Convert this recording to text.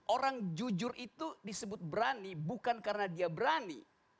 orang jujur itu disebut berani bukan karena dia berani